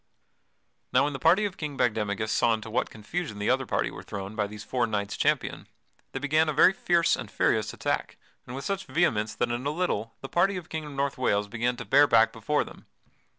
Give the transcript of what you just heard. Now when the party of King Bagdemagus saw into what confusion the other party were thrown by these four knights champion, they began a very fierce and furious attack, and with such vehemence that in a little the party of the King of North Wales began to bear back before them.